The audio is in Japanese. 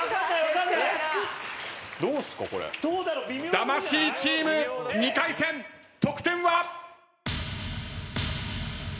魂チーム２回戦得点は。